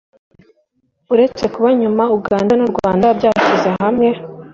uretse kuba yumva ngo Uganda n’u Rwanda byashyize hamwe